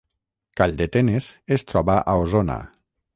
Calldetenes es troba a Osona